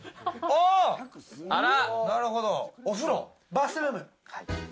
お風呂、バスルーム。